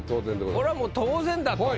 これはもう当然だと。